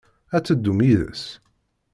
Ad teddumt yid-s?